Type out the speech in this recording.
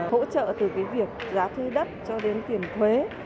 hỗ trợ từ việc giá thư đất cho đến tiền thuế